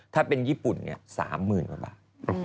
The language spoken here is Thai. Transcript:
ถ้าเป็นญี่ปุ่นเนี่ย๓๐๐๐๐บาท